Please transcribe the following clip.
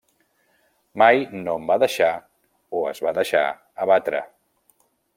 Mai no em va deixar -o es va deixar- abatre.